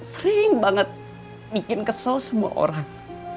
sering banget bikin kesel semua orang